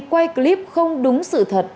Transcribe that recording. quay clip không đúng sự thật